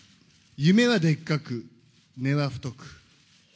夢はでっかく、根は太く。